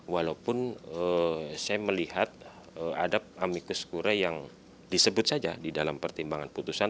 walaupun saya melihat ada amikus kure yang disebut saja di dalam pertimbangan putusan